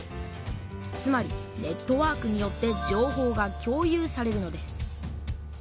つまりネットワークによって情報が共有されるのです。